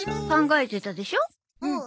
考えてたでしょう？